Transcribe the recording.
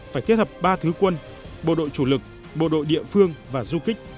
phải kết hợp ba thứ quân bộ đội chủ lực bộ đội địa phương và du kích